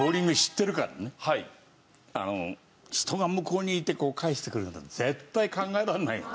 人が向こうにいて返してくれるなんて絶対考えられないよ。